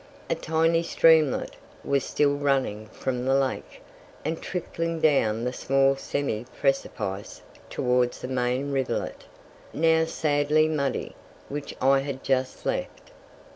A tiny streamlet was still running from the lake, and trickling down the small semi precipice towards the main rivulet, now sadly muddy, which I had just left.